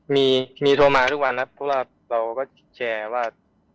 มีมีโทรมาทุกวันครับเพราะว่าเราก็แชร์ว่า